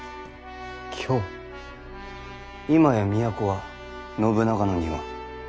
今や都は信長の庭。